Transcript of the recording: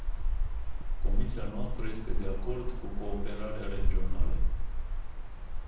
Comisia noastră este de acord cu cooperarea regională.